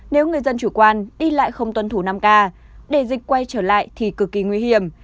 nếu người dân chủ quan đi lại không tuân thủ năm k để dịch quay trở lại thì cực kỳ nguy hiểm